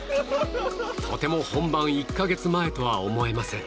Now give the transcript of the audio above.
とても本番１か月前とは思えません。